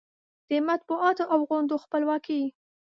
د مطبوعاتو او غونډو خپلواکي